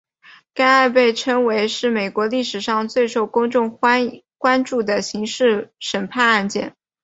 该案被称为是美国历史上最受公众关注的刑事审判案件。